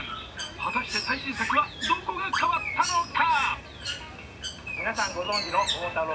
果たして最新作は、どこが変わったのか。